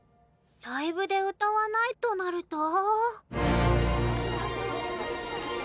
ライブで歌わないとなると？